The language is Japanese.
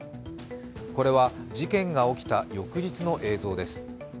これは事件が起きた翌日の映像です。